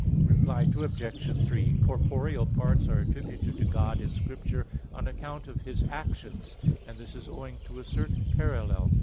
Reply Obj. 3: Corporeal parts are attributed to God in Scripture on account of His actions, and this is owing to a certain parallel.